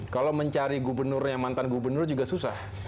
kalau mencari gubernur yang mantan gubernur juga susah